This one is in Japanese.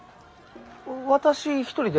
私一人で？